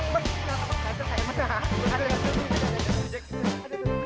baiklah membersihkan diri sendiri